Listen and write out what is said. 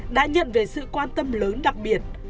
đã nhận về sự quan tâm lớn đặc biệt